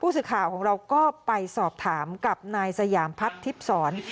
ผู้สืบข่าวของเราก็ไปสอบถามกับนายสยามพัทธิพศร